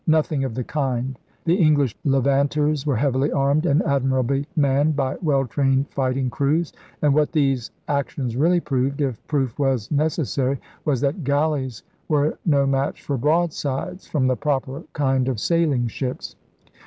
Nothing of the kind: the English Levanters were heavily armed and admirably manned by well trained fighting crews; and what these actions really proved, if proof was necessary, was that galleys were no match for broadsides from the proper kind of sailing ships.